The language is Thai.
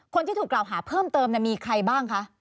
คนที่ถูกกล่าวหาเพิ่มเติมมีใครบ้างคะ